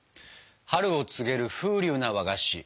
春を告げる風流な和菓子